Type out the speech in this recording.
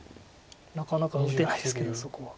なかなか打てないですけどそこは。